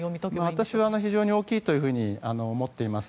私は非常に大きいと思います。